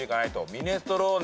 ミネストローネ。